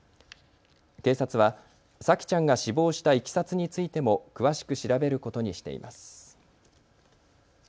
警察は沙季ちゃんが死亡したいきさつについても詳しく調べることにしています。